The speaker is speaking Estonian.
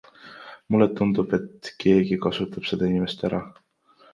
Mulle tundub, et keegi kasutab seda inimest ära.